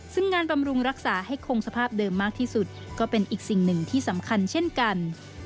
ซึ่งงานบำรุงรักษาให้คงสภาพเดิมมากที่สุดก็เป็นอีกสิ่งหนึ่งที่สำคัญเช่นกัน